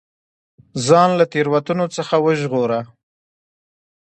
ځان له تېروتنو څخه وژغورو.